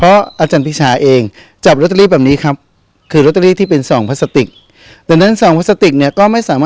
อ่าจำเป็นไหมว่าสมมุติพยานคนนี้นั่งซื้อของอยู่จำเป็นไหมแม่ค้าหันหน้ามองใครน่าเห็นมากกว่ากัน